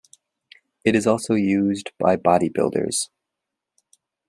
It is also used by bodybuilders.